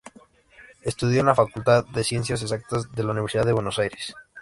Estudió en la Facultad de Ciencias Exactas de la Universidad de Buenos Aires.